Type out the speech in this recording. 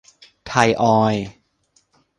ไทยออยล์